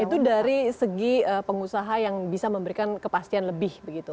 itu dari segi pengusaha yang bisa memberikan kepastian lebih begitu